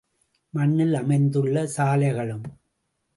மண்ணில் அமைந்துள்ள சாலைகளும்.